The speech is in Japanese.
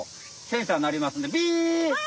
センサーなりますんで。